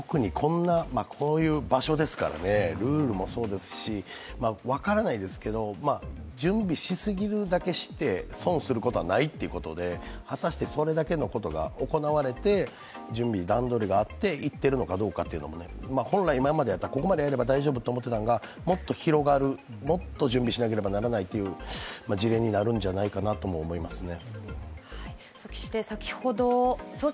特にこういう場所ですからね、ルールもそうですし分からないですけど、準備しすぎるだけして、損することはないということで、果たしてそれだけのことが行われて準備、段取りがあって行っているのかどうかというのも本来、今までだったらここまでやれば大丈夫と思っていたものが、もっと広がるもっと準備しなければならないという事例になるんじゃないかなとも思いますね。